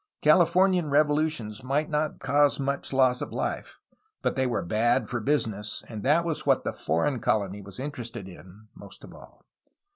Californian revolutions might not cause much loss of life, but they were bad for business, and that was what the foreign colony was interested in, most of all.